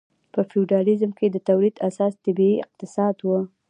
په فیوډالیزم کې د تولید اساس طبیعي اقتصاد و.